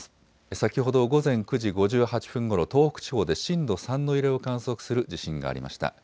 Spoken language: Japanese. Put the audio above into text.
先ほど午前９時５８分ごろ東北地方で震度３の揺れを観測する地震がありました。